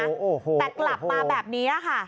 แต่กลับมาแบบนี้